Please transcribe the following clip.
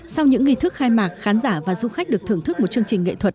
sau những nghi thức khai mạc khán giả và du khách được thưởng thức một chương trình nghệ thuật